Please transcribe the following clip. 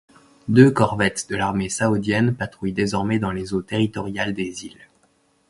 Deux corvettes de l'armée saoudienne patrouillent désormais dans les eaux territoriales des îles.